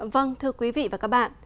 vâng thưa quý vị và các bạn